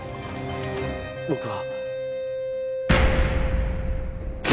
僕は。